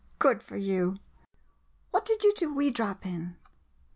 Good for you! What did you do Wee Drap in?